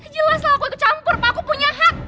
jelas lah aku ikut campur pak aku punya hak